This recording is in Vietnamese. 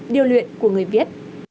điêu luyện của người viết